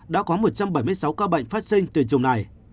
đã có một trăm bảy mươi sáu ca bệnh phát sinh từ chủng này